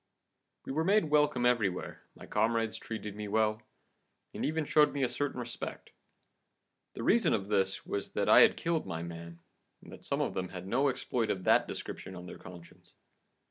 We were made welcome everywhere, my comrades treated me well, and even showed me a certain respect. The reason of this was that I had killed my man, and that some of them had no exploit of that description on their conscience.